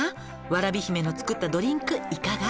わらび姫の作ったドリンクいかが？」